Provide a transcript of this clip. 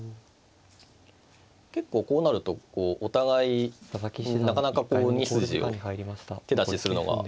結構こうなるとお互いなかなかこう２筋を手出しするのが。